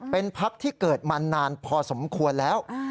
เป็นพักที่เกิดมานานพอสมควรแล้ว